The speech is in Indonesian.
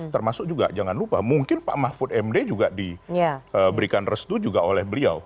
termasuk juga jangan lupa mungkin pak mahfud md juga diberikan restu juga oleh beliau